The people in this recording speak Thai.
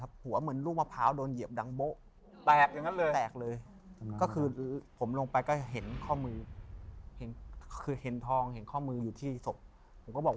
ก็มีหัวเหมือนลูกมะพร้าวโดนเหยียบดังโศ